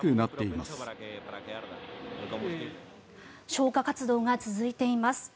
消火活動が続いています。